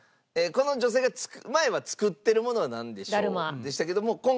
この女性が前は作ってるものはなんでしょう？でしたけども。